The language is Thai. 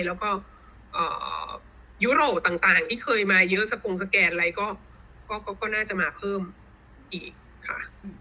แล้วก็ยุโรปต่างที่เคยมาเยอะสกงสแกนอะไรก็น่าจะมาเพิ่มอีกค่ะ